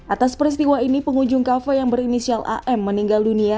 atas peristiwa ini pengunjung kafe yang berinisial am meninggal dunia